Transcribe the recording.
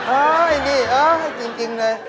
เออไอนี่เออจริงเลย